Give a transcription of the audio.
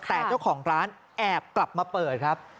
แต่เจ้าของร้านแอบกลับมาเปิดครับ